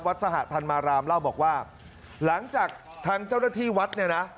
สหธรรมารามเล่าบอกว่าหลังจากทางเจ้าหน้าที่วัดเนี่ยนะ